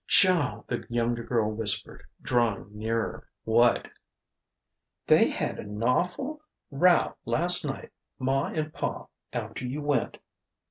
"Joan " the younger girl whispered, drawing nearer. "What?" "They had a nawful row last night ma and pa after you went."